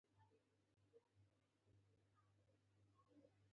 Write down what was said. ډېرو کسانو زما دا کار نه خوښاوه